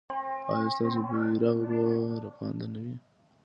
ایا ستاسو بیرغ به رپانده نه وي؟